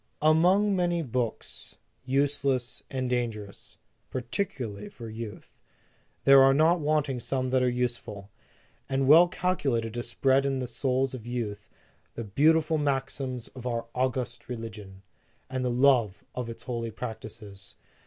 "Among many books, useless and danger * ous, particularly for youth, there are not wanting some that are useful, and well cal culated to spread in the souls of youth the beautiful maxims of our august religion, and the love of its holy practices.